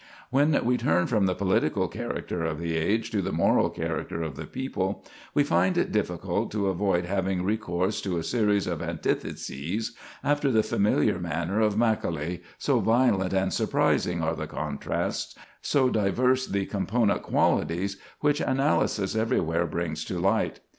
When we turn from the political character of the age to the moral character of the people, we find it difficult to avoid having recourse to a series of antitheses, after the familiar manner of Macaulay, so violent and surprising are the contrasts, so diverse the component qualities which analysis everywhere brings to light.